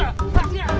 ada di sana